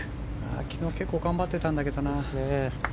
昨日、結構頑張ってたんだけどな。